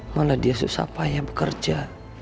malah dia susah payah bekerja